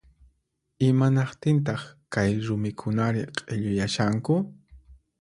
Imanaqtintaq kay rumikunari q'illuyashanku